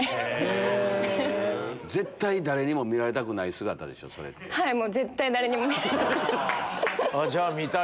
絶対誰にも見られたくない。